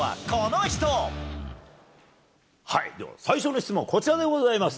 では、最初の質問、こちらでございます。